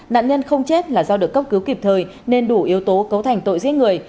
nạn nhân không chết là do được cấp cứu kịp thời nên đủ yếu tố cấu thành tội giết người